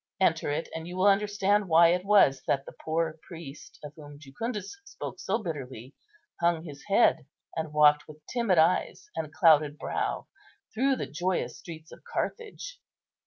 Enter it, and you will understand why it was that the poor priest, of whom Jucundus spoke so bitterly, hung his head, and walked with timid eyes and clouded brow through the joyous streets of Carthage.